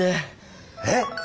えっ